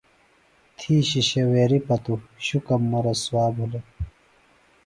تھی شِشویریۡ پتوۡ شُکم مہ رسوا بِھلوۡ۔